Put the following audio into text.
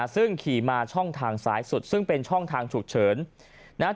ซึ่งขี่มาช่องทางซ้ายสุดซึ่งเป็นช่องทางฉุกเฉินนะครับ